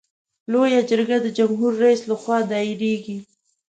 لویه جرګه د جمهور رئیس له خوا دایریږي.